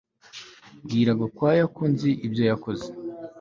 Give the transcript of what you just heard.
Bwira Gakwaya ko nzi ibyo yakoze